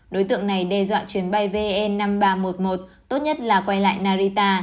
đối tượng này đe dọa chuyến bay vn năm nghìn ba trăm một mươi một tốt nhất là quay lại narita